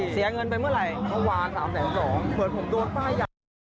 เสียเงินไปเมื่อไหร่เมื่อวาน๓๒๐๐๐๐บาทเผื่อผมโดนได้